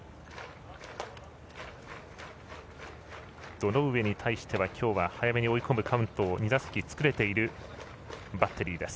堂上に対してはきょうは早めに追い込むカウントを２打席作れているバッテリーです。